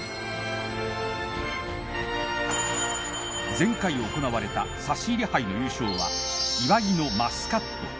前回、行われた差し入れ杯の優勝は岩井のマスカット！